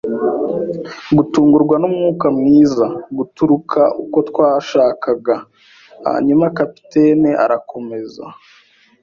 gutungurwa n'umwuka mwiza kuruta uko twashakaga, hanyuma capitaine arakomeza